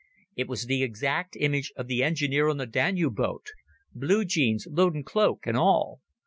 It was the exact image of the engineer on the Danube boat—blue jeans, loden cloak, and all.